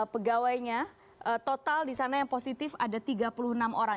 pegawainya total di sana yang positif ada tiga puluh enam orang